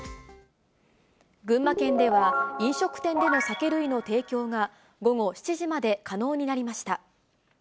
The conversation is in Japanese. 群馬県では、飲食店での酒類の提供が、午後７時まで可能になりました。